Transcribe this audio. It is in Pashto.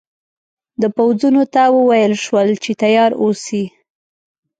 د پوځونو ته وویل شول چې تیار اوسي.